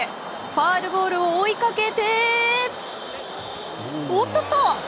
ファウルボールを追いかけておっとっと！